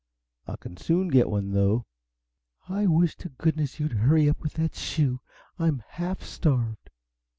I can soon get one, though." "I wish to goodness you'd hurry up with that shoe! I'm half starved."